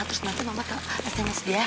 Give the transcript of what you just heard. terus nanti mama akan sms dia ya